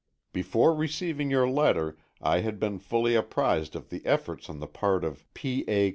Before receiving your letter I had been fully apprised of the efforts on the part of P. A.